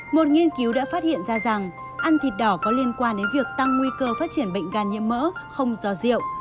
một nghiên cứu đã phát hiện ra rằng ăn thịt đỏ có liên quan đến việc tăng nguy cơ phát triển bệnh gan nhiễm mỡ không do rượu